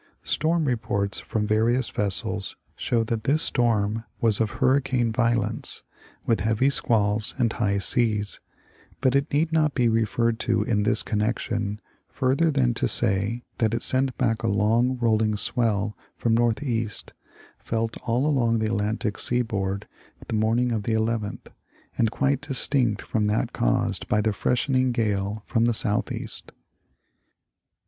Storm reports from various vessels show that this storm was of hurricane violence, with heavy squalls and high seas, but it need not be referred to in this connection further than to say that it sent back a long rolling swell from northeast, felt all along the Alantic sea board the morning of the 11th, and quite distinct from that caused by the freshening gale from the southeast.